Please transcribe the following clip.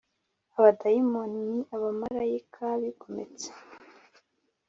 Abadayimoni ni abamarayika bigometse